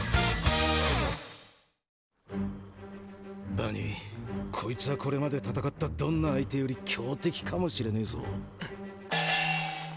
バニーこいつはこれまで戦ったどんな相手より強敵かもしれねぇぞ。